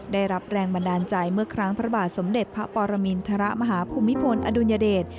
ได้รับแรงบันดาลใจเมื่อครั้งพระบาทสมเด็จพระปรมินทรมาฮภูมิพลอดุลยเดช